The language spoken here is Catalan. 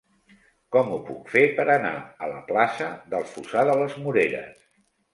Com ho puc fer per anar a la plaça del Fossar de les Moreres?